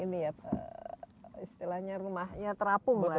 ini ya istilahnya rumahnya terapung lah ya